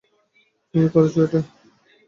তুমি করেছো এটা?